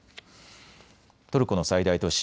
トルコの最大都市